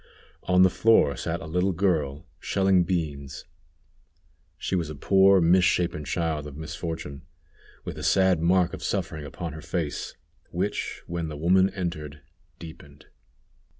On the floor sat a little girl shelling beans. She was a poor, misshapen child of misfortune, with a sad mark of suffering upon her face, which, when the woman entered, deepened.